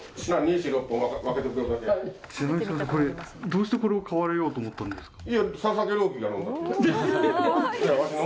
どうしてこれを買われようと思ったんですか？